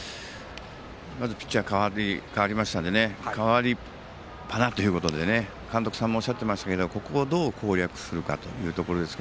ピッチャーが代わりましたので代わりっぱなというところで監督さんもおっしゃっていましたけどここをどう攻略するかです。